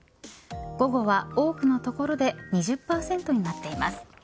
午後は多くの所で２０％になっています。